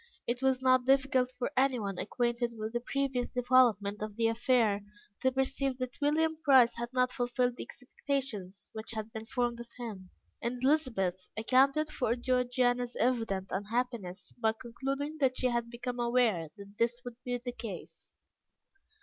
It was not difficult for anyone acquainted with the previous development of the affair, to perceive that William Price had not fulfilled the expectations which had been formed of him, and Elizabeth accounted for Georgiana's evident unhappiness by concluding that she had become aware that this would be the case.